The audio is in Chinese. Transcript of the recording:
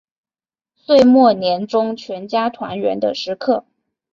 岁末年终全家团圆的时刻